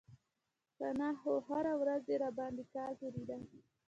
که نه خو هره ورځ يې راباندې کال تېرېده.